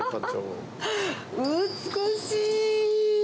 美しい！